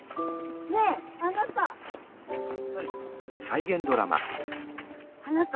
ねえあなた！